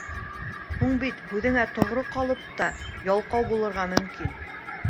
Һуң бит һүҙеңә тоғро ҡалып та ялҡау булырға мөмкин.